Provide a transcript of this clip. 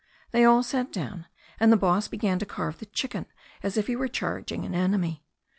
They all sat down, and the boss began to carve the chicken as if he were charging an enemy.